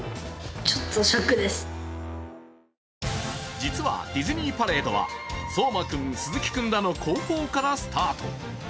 実はディズニーパレードはそうまくん、鈴木君の後方からスタート。